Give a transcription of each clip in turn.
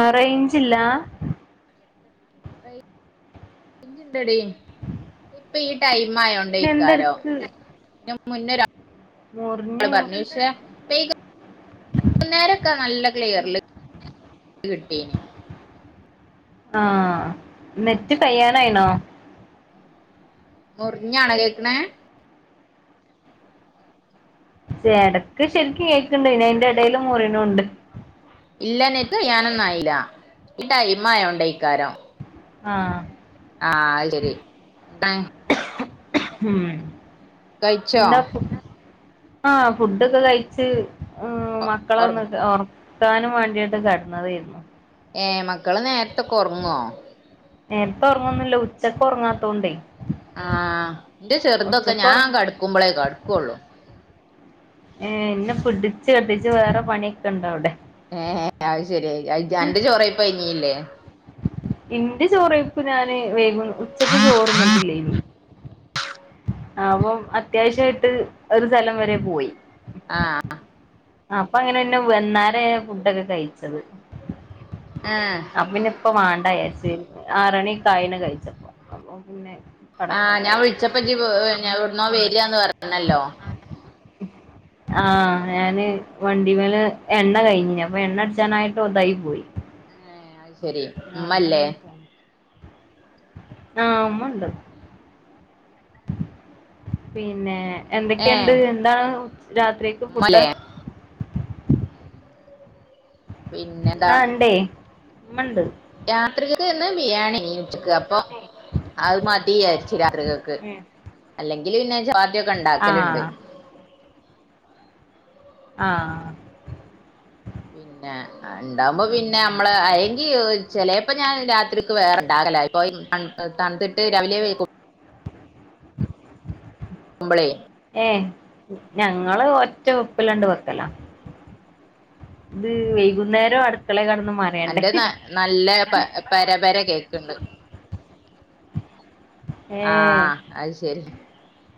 ആ റൈഞ്ച് ഇല്ലാ റൈ റൈഞ്ച്ണ്ടടീ ഇപ്പ ഈ ടൈം ആയോണ്ടയ്ക്കാരം എന്തെടുക്ക് അയ്‌ന് മുന്നൊരാ ആള് മുറിഞ്ഞു പർഞ്ഞു പക്ഷേ വെയ്കു വൈകുന്നേരൊക്കെ നല്ല ക്ലിയർല് [unintelligible] കിട്ടീന് ആ നെറ്റ് കയ്യാനായിണോ മുർഞ്ഞാണോ കേക്ക്‌ണേ പക്ഷേ എട്ക്ക് ശര്ക്ക്‌ കേക്ക്‌ണ്ട് പിന്നെ അയ്‌ന്റെ എടയ്ല് മുറിണൂണ്ട് ഇല്ലാ നെറ്റ് കയ്യാനൊന്നായീല ഈ ടൈമായോണ്ടെയ്ക്കാരം ആഹ് ആ അത് ശരി [unintelligible] ഹും കഴിച്ചോ ഇണ്ടാക്കും ആ ഫുഡൊക്കെ കഴിച്ച് ഉം മക്കളെ ഒറങ്ങ് ഒന്നട്ട് ഒറക്കാനും വേണ്ടിയാട്ട് കെട്ന്നതേര്ന്നു ഏ മക്കള് നേര്ത്തെക്കൊറ്ങ്ങോ നേര്ത്തെ ഒറങ്ങൊന്നില്ല ഉച്ചയ്ക്ക്‌ ഒർങ്ങാത്തോണ്ടേയ് ആ ന്റെ ചെർതൊക്കെ ഞാൻ ഉറങ്ങ കെടക്കുമ്പളേ കെട്ക്കൊള്ളൂ ഏ ഇന്നെ പിടിച്ച് വെപ്പിച്ച് വേറെ പണിയൊക്കെണ്ട് അവ്ടെ ഏ അത് ശരി അജ് അന്റെ ചോറഴിപ്പ് കഴിഞ്ഞീല്ലേ ഇന്റെ ചോറ് കഴിപ്പ് ഞാന് വേഗം ഉച്ചക്ക് ചോറ്ന്ന്ട്ട്ല്ലേയ്നു അപ്പം അത്യാവശ്യായിട്ട് ഒരു സ്ഥലം വരെ പോയി ആഹ് അപ്പൊ അങ്ങനന്നെ വന്നാരേ ഫുഡൊക്കെ കഴിച്ചത് ആഹ് അപ്പൊ പിന്നെ ഇപ്പ മാണ്ടാ വിജാര്ച്ച് ആറണിക്കായ്നു കയ്ച്ചപ്പോ അപ്പൊ പിന്നെ ആ കടക്കട്ടെ ഞാൻ വിളിച്ചപ്പൊ ജ് വ് എവ്‌ട്ന്നോ വരാന്ന് പർഞ്ഞല്ലോ [unintelligible] ആ ഞാന് വണ്ടിമേല് എണ്ണ കഴിഞ്ഞ്ന് അപ്പൊ എണ്ണ അടിച്ചാനായിട്ട് ഒതായി പോയി ഏ അത് ശരി ഉമ്മല്ലേ ആ ഉമ്മണ്ട് പിന്നേ എന്തൊക്കെയുണ്ട് ഏഹ് എന്താണ് രാത്രിയക്ക് ഫുഡ് ഉം ആഹ് ഇണ്ടേ ഉമ്മണ്ട്. രാത്രിക്കക്ക് [inaudible] ക്കെന്ന് ബിരിയാണിയേനി ഉച്ചക്ക് അപ്പൊ. അത് മതി വിയാരിച്ചു രാത്രിക്കക്ക്. അല്ലെങ്കില് പിന്നെ ചപ്പാത്തിയൊക്കെ ഇണ്ടാക്കല്ണ്ട് ആഹ് ആഹ്. പിന്നെ അത്ണ്ടാവുമ്പോ പിന്നെ നമ്മള് അയ്യെങ്കി ചെലേപ്പ ഞാൻ രാത്രിക്ക് വേറെണ്ടാക്കലാ ഇപ്പൊ [unintelligible] തണ്ത്തിട്ട് രാവിലേ വൈകു മ്പളെ. ഏഹ് ഞങ്ങള് ഒറ്റ വെപ്പ്ലാണ്ട് വെക്കലാ. ഇത് വൈകുന്നേരം അടുക്കളെ കെടന്ന് മ അന്റെ ന നല്ലെ പ പര പര കേക്ക്ണ്ട്. ഏഹ് ആഹ് അത് ശരി.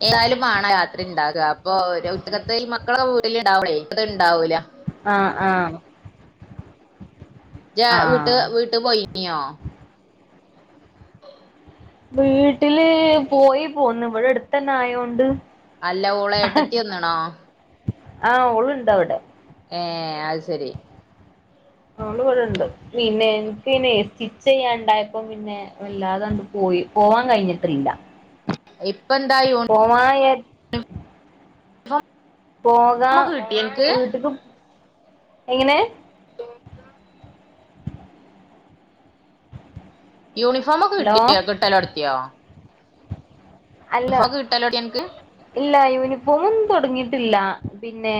ഏതായാലും മാണം രാത്രി ഇണ്ടാക്കാ. അപ്പൊ ഓര് ഉച്ചക്കത്തേൽ മക്കള് വീട്ടിലുണ്ടാവുമ്പളെ അത് ഇണ്ടാവൂല. ആഹ് ആഹ്. ജ്ജാ വീട്ട് ആഹ് വീട്ടു പോയിനിയോ? വീട്ടില് പോയി പോന്ന് ഇവിടെട്ത്തന്നെ ആയോണ്ട്. അല്ല ഓളെ ഏട്ടത്തി വന്ന്ണോ? ആഹ് ഓളുണ്ട് അവിടെ. ഏഹ് അഹ് സെരി. അവള് വെടെണ്ട്. പിന്നെ ഇന്ക്ക് അയ്നേ സ്റ്റിച്ച് ചെയ്യാൻ ഉണ്ടായപ്പം പിന്നെ. വല്ലാതാണ്ട് പോയി പോവാൻ കഴിഞ്ഞിട്ടില്ല. ഇപ്പെന്തായി യൂ പോവാ വിചാരി യൂണിഫോം പോകാ ഒക്കെ കിട്ടിയോ അനക്ക് വീട്ട്ക്ക് എങ്ങനേ [unintelligible] യൂണിഫോമൊക്കെ ഹലോ കിട്ടീന്യോ കിട്ടല് തൊടത്തിയോ? അല്ല ഫോ കിട്ടല് തൊടത്തിയോ അനക്ക്? ഇല്ല യൂനിഫോമൊന്നും തൊടങ്ങീട്ടില്ല പിന്നേ.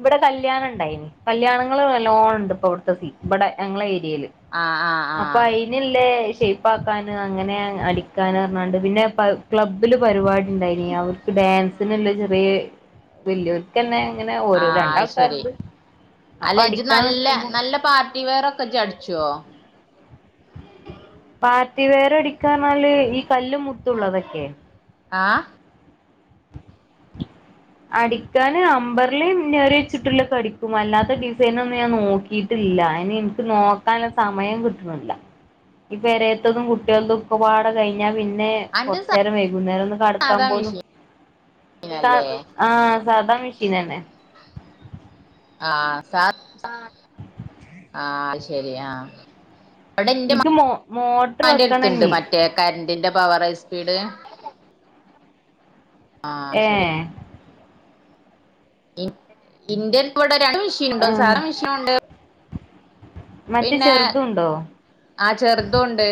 ഇവടെ കല്യാണണ്ടായിനി. കല്യാണങ്ങള് നല്ലോണം ഇണ്ട് ഇപ്പ ഇവട്ത്തെ സീ ഇബടെ ഞങ്ങളെ ഏരിയേല്. ആഹ് ആഹ്. അപ്പൊ ആഹ് അയിനില്ലേ ഷേപ്പ് ആക്കാന് അങ്ങനെ അടിക്കാന് പറഞ്ഞാണ്ട് പിന്നെ പ്പത് ക്ലബ്ബില് പരിപാടി ഇണ്ടായിനി. അവർക്ക് ഡാൻസന്ള്ള ചെറിയ വല്യോൽക്കെന്നെ ഇങ്ങനെ ഓരോ ആഹ് അത് ശരി രണ്ടാൾക്കാര്ത്. അല്ല ഇജ് നല്ല നല്ല പാർട്ടി വെയർ ഒക്കെ ഇജ് അട്ച്ചോ? പാർട്ടി വെയർ അടിക്കാ പർഞ്ഞാല് ഈ കല്ലും മുത്തും ഉള്ളതൊക്കെ. ആഹ്. അടിക്കാൻ അമ്പർലിം നെറി വെച്ചിട്ടില്ലൊക്കെ അടിക്കും. അല്ലാത്ത ഡിസൈനൊന്നും ഞാൻ നോക് കീട്ടില്ല. അയിന് ഇന്ക്ക് നോക്കാൻല്ലെ സമയം കിട്ട്ണ്ല്ല. ഈ പെരേത്തതും കുട്ട്യേൾതും ഒക്കെപാടെ കഴിഞ്ഞാ പിന്നെ അന്റെ സാ കൊറച്ചേരം വൈകുന്നേരം ഒന്ന് കടക്കാൻ സാധാ പോലും സ മെഷീനല്ലേ ആഹ് സാദാ മെഷീനെന്നെ. ആഹ് സാ [unintelligible] ആഹ് അഹ്ശരി ആഹ്. ഇവടെ ഇന്റെ [inaudible] എനിക്ക് മോ മോട്ടർ ൻ്റെ അടുത്ത്ണ്ട് വെക്കണഞ്ഞി മറ്റേ കര്ന്റിന്റെ പവർ ഹൈ സ്പീഡ്. ആഹ് അഹ് ശരി. ഏഹ് ഇൻ ഇൻ്റെൻ ഇവടെ രണ്ട് മിഷീ ണ്ടോ സാധ ആഹ് മെഷീൻ മുണ്ട് മറ്റ ചെറുതുുംണ്ടോ ആഹ് ചെറുതും ഉണ്ട്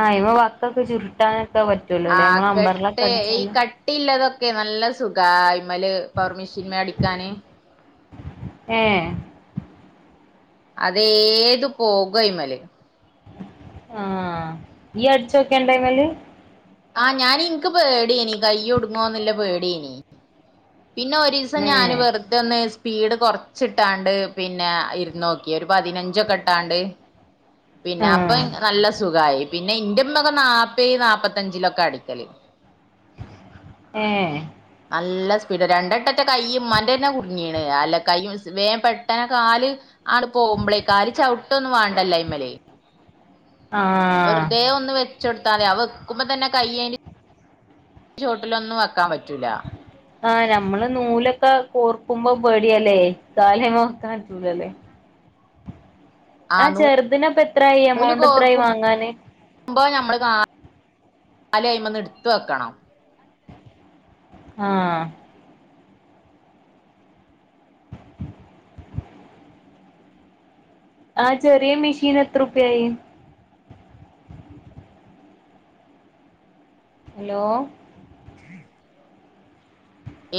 ആഹ അയ്മ വർക്കൊക്കെ ചുരുട്ടാനൊക്കെ പറ്റൂലോല്ലേ നമ്മള അമ്പറിലൊക്കെ അടിച്ചാല ട്ടില്ലതൊക്കെ നല്ല സുഖ അയ്മല് പവർ മെഷീൻ മേ അടിക്കാന് ഏഹ് അതേത് പോകും അയ്മലേ ആഹ് യ്യ് അടിച്ചൊക്കെലുണ്ടൈമല് ആഹ് ഞാൻ ഇനിക്ക് പേടിയനി കയ്യൊടുങ്ങുവന്നില്ല പേടിയനി പിന്നെ ഒരു ഒരീസം ഞാന് ഏഹ് വെറു ഇതൊന്ന് സ്പീഡ് കുറച്ച് ഇട്ടാണ്ട് പിന്നെ ഇരുന്ന് നോക്കി ഒരു പതിനഞ്ചൊക്കെ ഇട്ടാണ്ട് അ പിന്നെ അപ്പൊ നല്ല സുഖമായി പിന്നെ ഇന്റെ മ്മൊക്കെ നാല്പ്പ നാല്പ്പത്തഞ്ചിലൊക്കെ അടിക്കല് ഏഹ് നല്ല സ്പീഡ് രണ്ടട്ടന്റെ കയ്യ മന്റെ തന്നെ കുടുങ്ങീണ് അല്ല കൈ വേഗം പെട്ടന കാല് ആണ് പോകുമ്പോളേക്കാല് ചവിട്ടൊന്നും വേണ്ടല്ല അയ്മലെ ആഹ് വെറുതെ ഒന്ന് വെ വച്ചെടുത്താതെ അവ വെക്കുമ്പോ തന്നെ കയ്യ ചോട്ടിലൊന്നും വെക്കാൻ പറ്റൂല ആഹ് നമ്മള് നൂലൊക്കെ കോർക്കുമ്പോ പേടിയല്ലേ കാൽ അയമേ വെക്കാൻ പറ്റൂലല്ലേ ആ ആഹ ചെറുതിന്പ്പത്രായി എമൗണ്ട് എത്രായി വാങ്ങാന് ആവുമ്പ നമ്മള് കാല് അതിൻമേൻ എടുത്ത് വെക്കണം ആഹ ആഹ ചെറിയ മെഷീൻ എത്ര രൂപയായി ഹലോ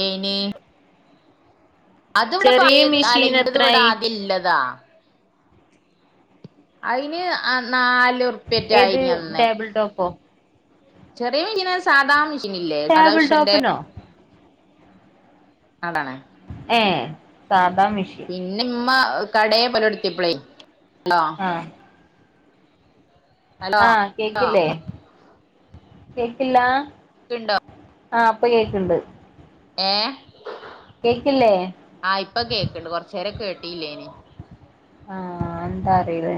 ഏതിന് അതിവിടെ ചെറിയ ഏത് അല്ല മെഷീൻ ഇത് ഇവിടെ എത്രായി ആകെല്ലതാ അതിന് നാല ഉറുപ്പ്യറ്റ ആയിന് അന്നേ ട്ടോപ്പ ചെറിയ മിഷീൻ സാദാ മിഷീൻല്ലേ സാദാ ടേബിൾ മിഷന്റെ ടോപ്പിനോ അതാണെ ഏഹ് സാധാ മിഷ പിന്നെമ്മ കടയെ പോല എടുത്തിപ്പളേ ആഹ് ഹലോ ആഹ് ഹലോ കേക്കില്ലേ കേക്കില്ല ക്കുണ്ടോ ആഹ പ്പൊ കേൾക്കണ്ട് ഏഹ കേക്കില്ലേ ആഹ് ഇപ്പൊ കേക്കണ്ട് കുറച്ച നേരം കേട്ടില്ലേ നി ആഹ എന്താ അറിയലേ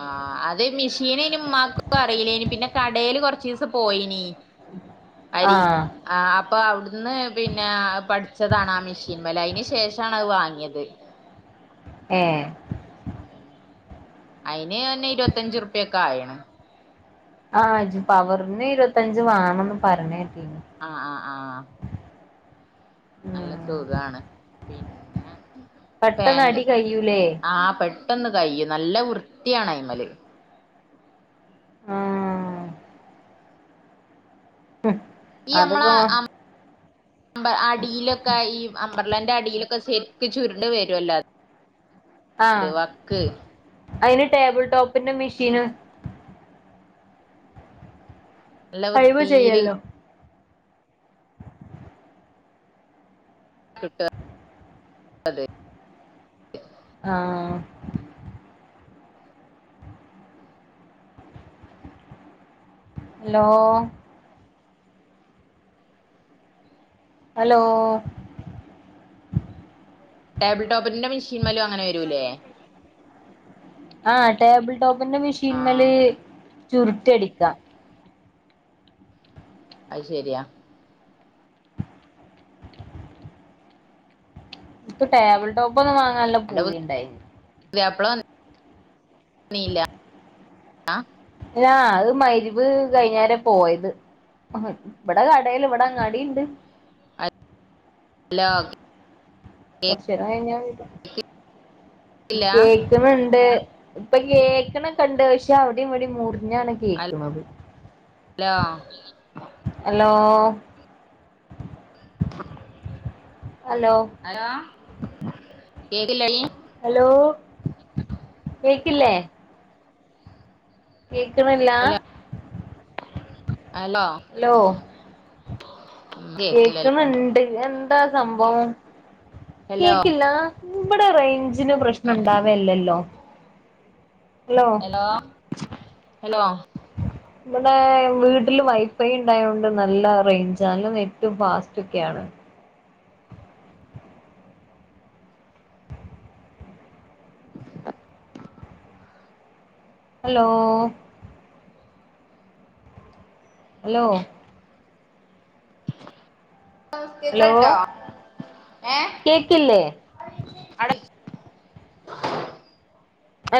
ആഹ് അത് മെഷീന് അയ്ന് ഉമ്മാക്കും അറീലെനി പിന്നെ കടേല് കൊർച്ചീസം പോയിനി. അരി. ആഹ് ആഹ് അപ്പൊ അവുടുന്ന് പിന്നെ പഠിച്ചതാണ് ആ മെഷീൻമെലെ അയിന് ശേഷണ അത് വാങ്ങിത്. ഏഹ്. ഉം അയിന് എന്ന്നെ ഇരുപത്തഞ്ചറുപ്പിയൊക്കെ ആയിണം. ആഹജി പവർനെ ഇരുപത്തഞ്ച് വേണംന്ന് പറഞ്ഞേ കേട്ടിനു. ആഹ് ആഹ് ആഹ്. നല്ല ഉം സുഖാണ് പിന്നെ പെട്ടെന്ന് പാന്റ് അടി കയ്യൂലേ ആ പ ട്ടെന്ന് കയ്യും നല്ല വൃത്തിയാണ് അയിമല്. ആഹ. ഹ് ഈയമ്മള അ മ്പർ അടിയിലൊക്കെ ഈ അമ്പർലാന്റെ അടിയിലൊക്കെ ശെര്ക്ക് ചുരുണ്ട് വരുല്ലോ ആഹ അയിന് ടേബിൾ ടോപ്പിന്റെ മിഷീന് നല്ല അയിമ വൃത്തീല്. ചെയ്യല്ലോ കിട്ട ആഹ. ഹലോ. ഹലോ. ടേബിൾ ടോപ്പിന്റെ മെഷീന്മേലും അങ്ങനെ വെരൂലേ. ആഹ ടേബിൾ ടോപ്പിന്റെ മെഷീൻ മേല് ആഹ് ചുരുട്ടി അടിക്ക. അയ്ശെര്യാ. ഇക്ക് ടേബിൾ ടോപ്പൊന്നു വാങ്ങാൻ നല്ല പൂതിണ്ടായിനി. പുത്യാപ്പള ന്നീല്ലാ. അയ്നാ അഹ് മഹ് രിബ് കഴിഞ്ഞാരെ പോയത് ഇബടെ കടേല് ഇവടെ അങ്ങാടിണ്ട്. ഹ ലോ കൊറച്ചേരം കയിഞ്ഞാ വെരും. കേക്കില്ല കേ ക്ണ് ണ്ട് ഇപ്പൊ കേക്ക്ണക്കണ്ട് പക്ഷെ അവ്ടിം ഇവടിം മുറിഞ്ഞണ് കേക്ക്ണത് ഹലോ അലോ. ഹലോ. അലോ കേക്ക്ല്ലെടീ ഹലോ കേക്കില്ലേ. കേക്ക്ണില്ല. അലോ. ഹലോ. കേക്ക്ണ് കേക്കില്ലല്ലോ ണ്ട് എന്താ സംഭവം ഹലോ കേക്കില്ല. ബ്ടെ റെയ്ഞ്ചിന് പ്രശ്നം ണ്ടാവല്ലല്ലോ. എലോ ഹെലോ. വടെ വീട്ടില് വൈഫൈ ണ്ടായൊണ്ട് നല്ല റേഞ്ച നല്ല നെറ്റും ഫാസ്റ്റ് ഒക്കെയാണ്. ഹലോ. ഹലോ. ഹലോ കേക്കില്ലേ [inaudible] ഏ